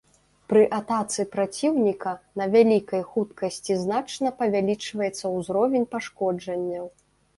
Пры атацы праціўніка на вялікай хуткасці значна павялічваецца ўзровень пашкоджанняў.